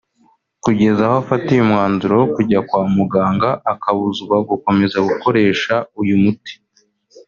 kugeza aho afatiye umwanzuro wo kujya kwa muganga akabuzwa gukomeza gukoresha uyu muti